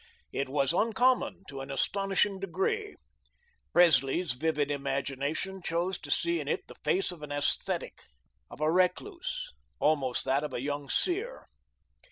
It was uncommon to an astonishing degree. Presley's vivid imagination chose to see in it the face of an ascetic, of a recluse, almost that of a young seer.